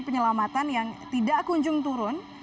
penyelamatan yang tidak kunjung turun